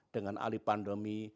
dengan ahli pandemi